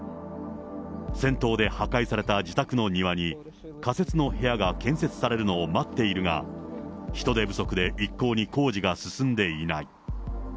戦闘で破壊された自宅の庭に、仮設の部屋が建設されるのを待っているが、人手不足で一向に工事が進んでいない。